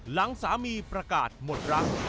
หลังสามีประกาศหมดรัก